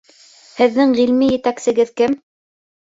Һеҙҙең ғилми етәксегеҙ кем?